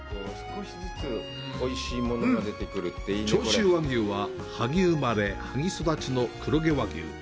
長萩和牛は、萩生まれ、萩育ちの黒毛和牛。